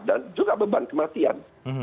dan juga beban kematian